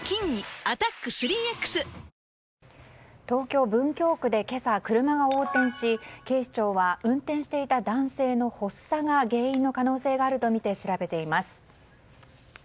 東京・文京区で今朝、車が横転し警視庁は運転していた男性の発作が原因の可能性があるとみて調べています。